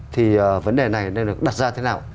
thì vấn đề này nên được đặt ra thế nào